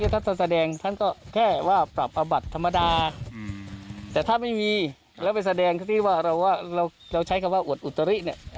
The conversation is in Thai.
ถ้าท่านแสดงท่านก็แค่ว่าปรับเอาบัตรธรรมดาแต่ถ้าไม่มีแล้วไปแสดงที่ว่าเราใช้คำว่าอวดอุตริเนี่ย